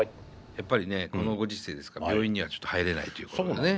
やっぱりねこのご時世ですから病院にはちょっと入れないということでね。